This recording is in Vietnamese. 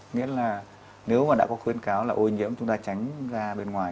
nghĩa là nếu mà đã có khuyến cáo là ô nhiễm chúng ta tránh ra bên ngoài